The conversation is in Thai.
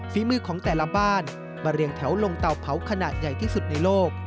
ฝีมือของแต่ละบ้านมาเรียงแถวลงเตาเผาขนาดใหญ่ที่สุดในโลก